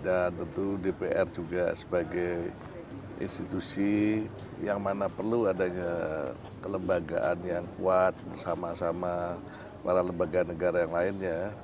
dan tentu dpr juga sebagai institusi yang mana perlu adanya kelembagaan yang kuat bersama sama para lembaga negara yang lainnya